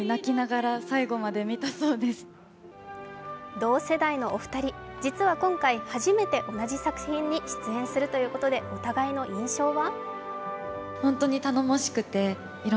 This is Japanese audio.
同世代のお二人実は今回、初めて同じ作品に出演するということでお互いの印象は？